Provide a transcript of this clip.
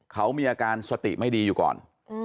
เขามีอาการสติไม่ดีอยู่ก่อน